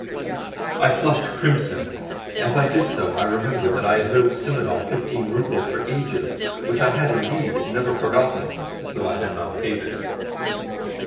I flushed crimson, as I did so I remembered that I had owed Simonov fifteen roubles for ages—which I had, indeed, never forgotten, though I had not paid it.